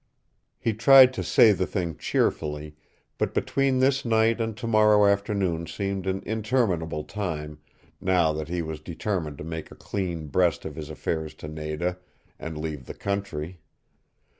He tried to say the thing cheerfully, but between this night and tomorrow afternoon seemed an interminable time, now that he was determined to make a clean breast of his affairs to Nada, and leave the country.